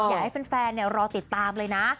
อยากให้แฟนรอติดตามเลยนะ